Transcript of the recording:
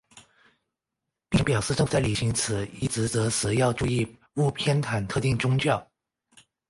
并且表示政府在履行此一职责时要注意勿偏袒特定宗教。